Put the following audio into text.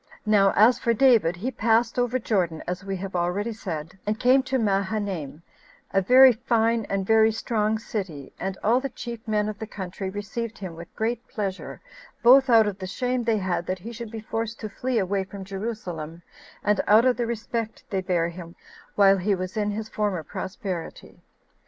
Now, as for David, he passed over Jordan, as we have said already, and came to Mahanaim, every fine and very strong city; and all the chief men of the country received him with great pleasure, both out of the shame they had that he should be forced to flee away [from Jerusalem], and out of the respect they bare him while he was in his former prosperity.